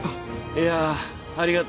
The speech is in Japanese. いやあありがとう。